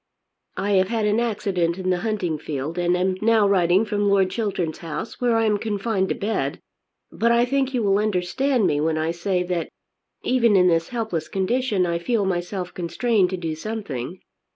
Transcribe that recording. I have had an accident in the hunting field and am now writing from Lord Chiltern's house, where I am confined to bed. But I think you will understand me when I say that even in this helpless condition I feel myself constrained to do something.